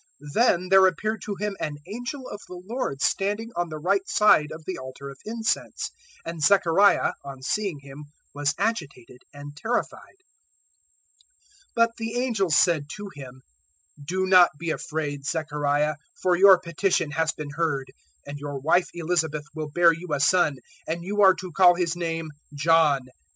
001:011 Then there appeared to him an angel of the Lord standing on the right side of the altar of incense; 001:012 and Zechariah on seeing him was agitated and terrified. 001:013 But the angel said to him, "Do not be afraid, Zechariah, for your petition has been heard: and your wife Elizabeth will bear you a son, and you are to call his name John.